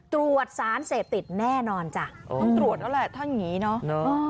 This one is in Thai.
ตรวจสารเสพติดแน่นอนจ้ะต้องตรวจแล้วแหละถ้าอย่างนี้เนาะ